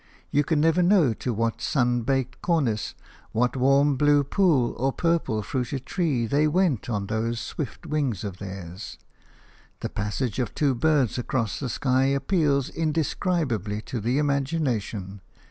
You can never know to what sun baked cornice, what warm blue pool or purple fruited tree they went on those swift wings of theirs. The passage of two birds across the sky appeals indescribably to the imagination.